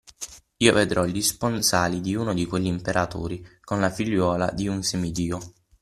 Io vedrò gli sponsali di uno di quegli imperatori con la figliuola di un semidio.